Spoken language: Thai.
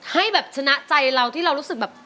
ให้แบบชนะใจเราที่เรารู้สึกแบบ